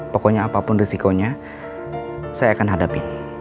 pokoknya apapun risikonya saya akan hadapin